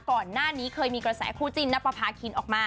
ก่อนหน้านี้เคยมีกระแสคู่จิ้นนับประพาคินออกมา